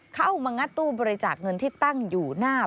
เข้ามางัดตู้บริจาคเงินที่ตั้งอยู่หน้า